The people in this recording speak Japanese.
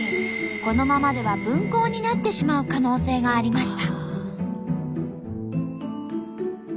このままでは分校になってしまう可能性がありました。